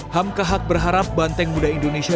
hamkahak berharap banteng muda indonesia